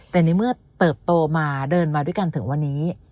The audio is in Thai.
แต่ในเมื่อเติบโตมาเดินมาด้วยกันถึงวันนี้